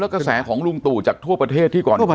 แล้วก็แสของลุงตู่จากทั่วประเทศที่ก่อนเคยมี